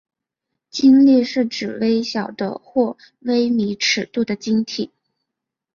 晶粒是指微小的或微米尺度的晶体。